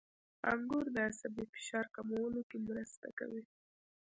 • انګور د عصبي فشار کمولو کې مرسته کوي.